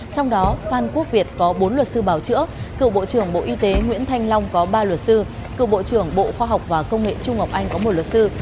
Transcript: trong đó phan quốc việt có bốn luật sư bảo chữa cựu bộ trưởng bộ y tế nguyễn thanh long có ba luật sư cựu bộ trưởng bộ khoa học và công nghệ trung ngọc anh có một luật sư